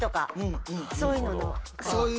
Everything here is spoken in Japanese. そういうのに。